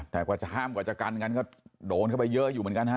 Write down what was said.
แต่กว่าจะห้ามกว่าจะกันกันก็โดนเข้าไปเยอะอยู่เหมือนกันฮะ